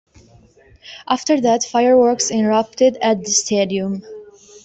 After that, fireworks erupted at the stadium.